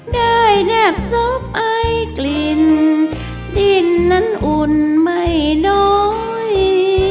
แนบซบไอกลิ่นดินนั้นอุ่นไม่น้อย